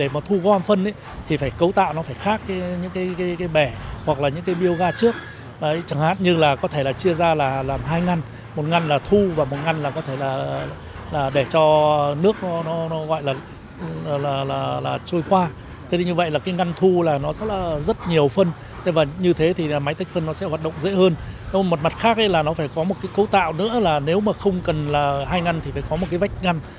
mặt khác là nó phải có một cái cấu tạo nữa là nếu mà không cần là hai ngăn thì phải có một cái vách ngăn